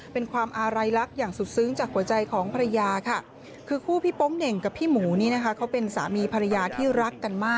เป็นความอารัยรักอย่างสุดซึ้งจากหัวใจของภรรยาค่ะ